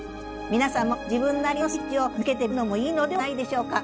皆さんも自分なりのスイッチを見つけてみるのもいいのではないでしょうか。